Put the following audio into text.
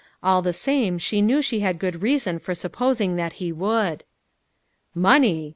All the same she knew she had good reason for supposing that he would. "Money!"